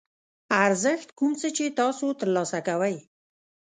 ارزښت کوم څه چې تاسو ترلاسه کوئ.